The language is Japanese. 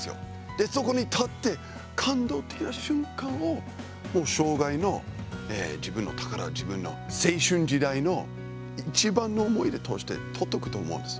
で、そこに立って感動的な瞬間を生涯の自分の宝自分の青春時代のいちばんの思い出として取っておくと思うんです。